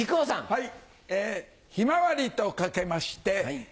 はい。